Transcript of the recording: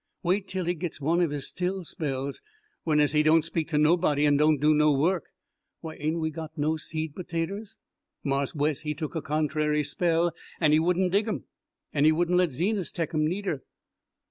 Wait tell he gits one his still spells, whenas he doan' speak ter nobody an' doan' do no work. Why ain' we got no seed potaters? Marse Wes he took a contrairy spell an' he wouldn't dig 'em, an' he wouldn't let Zenas tech 'em needer.